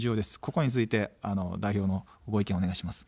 ここについて代表のご意見をお願いします。